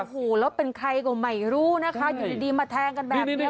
โอ้โหแล้วเป็นใครก็ไม่รู้นะคะอยู่ดีมาแทงกันแบบนี้